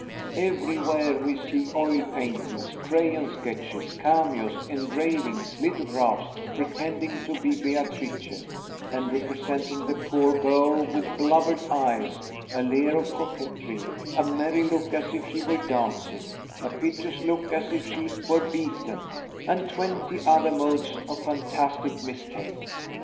"Everywhere we see oil paintings, crayon sketches, cameos, engravings, lithographs, pretending to be Beatrice, and representing the poor girl with blubbered eyes, a leer of coquetry, a merry look as if she were dancing, a piteous look as if she were beaten, and twenty other modes of fantastic mistake.